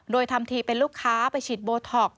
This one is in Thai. โดยทำทีเป็นลูกค้าไปฉีดโบท็อกซ